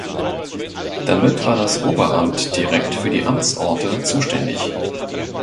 Damit war das Oberamt direkt für die Amtsorte zuständig.